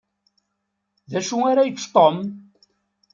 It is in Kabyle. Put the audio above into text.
D acu ara yečč Tom?